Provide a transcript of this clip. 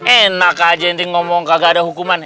enak aja intinya ngomong kagak ada hukuman